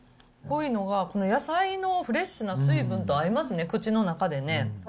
濃いのが野菜のフレッシュな水分と合いますね、口の中でね。